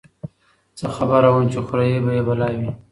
څه خبره وم چي خوري به یې بلاوي